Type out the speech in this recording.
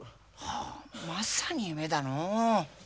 はあまさに夢だのう。